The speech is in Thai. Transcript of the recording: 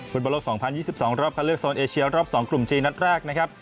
บอลโลก๒๐๒๒รอบคันเลือกโซนเอเชียรอบ๒กลุ่มจีนนัดแรกนะครับ